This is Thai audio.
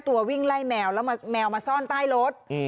วิ่งไล่แมวแล้วแมวมาซ่อนใต้รถ